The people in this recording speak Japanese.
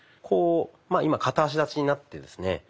こう今片足立ちになってですね